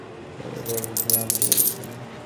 নীরজা বিরক্তির ভাব গোপন না করেই বললে, কে আনতে বলেছে।